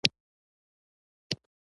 یوازې مکالمه یې له منځه وړلی شي.